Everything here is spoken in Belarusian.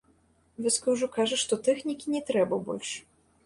Вёска ўжо кажа, што тэхнікі не трэба больш.